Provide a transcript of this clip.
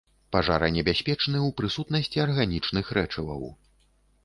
Пажаранебяспечны ў прысутнасці арганічных рэчываў.